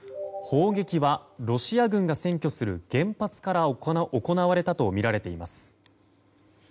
砲撃はロシア軍が占拠する原発から行われたとみられています。